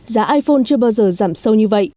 giá iphone chưa bao giờ giảm sâu như vậy